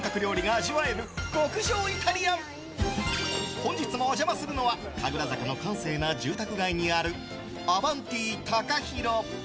本日も、お邪魔するのは神楽坂の閑静な住宅街にあるＡＶＡＮＴＩＴＡＫＡＨＩＲＯ。